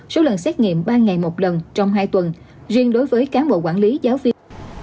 số lần xét nghiệm ba ngày một lần trong hai tuần riêng đối với cán bộ quản lý giáo viên